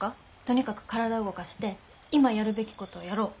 とにかく体動かして今やるべきことをやろう。